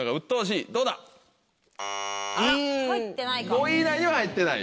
５位以内には入ってない。